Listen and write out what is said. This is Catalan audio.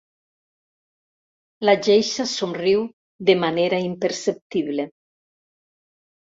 La geisha somriu de manera imperceptible.